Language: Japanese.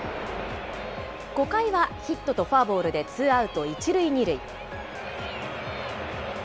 ５回はヒットとフォアボールでツーアウト１塁２塁。